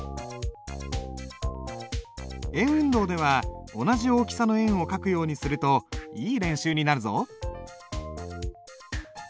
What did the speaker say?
円運動では同じ大きさの円を書くようにするといい練習になるぞ。